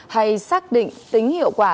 hay xác định tính hiệu quả